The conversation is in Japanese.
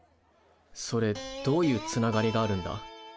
それどういうつながりがあるんだ？